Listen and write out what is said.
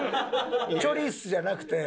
チョリスじゃなくて。